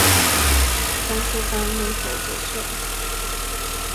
从厨房门口走出来